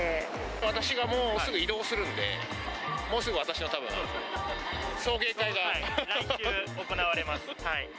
私がもうすぐ異動するんで、もうすぐ私のたぶん、来週、行われます。